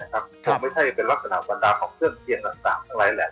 คงไม่ใช่เป็นลักษณะภรรดาของเที่ยงต่างหลายแหลง